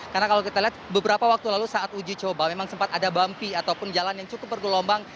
karena kalau kita lihat beberapa waktu lalu saat uji coba memang sempat ada bumpy ataupun jalan yang cukup bergelombang